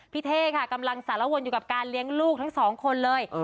เท่ค่ะกำลังสารวนอยู่กับการเลี้ยงลูกทั้งสองคนเลย